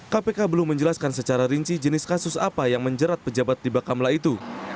kpk belum menjelaskan secara rinci jenis kasus apa yang menjerat pejabat di bakamla itu